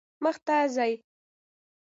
مخ ته ځئ